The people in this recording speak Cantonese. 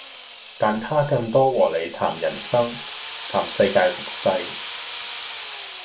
但他更多和你談人生、談世界局勢